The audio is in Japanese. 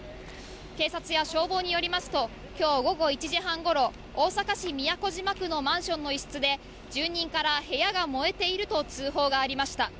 警察や消防によりますと、きょう午後１時半ごろ、大阪市都島区のマンションの一室で、住人から部屋が燃えていると通報がありました。